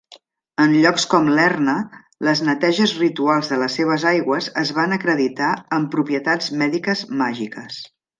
En llocs com Lerna, les neteges rituals de les seves aigües es van acreditar amb propietats mèdiques màgiques.